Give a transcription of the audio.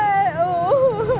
nó về nam định